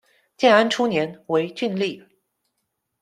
建安初年，为郡吏。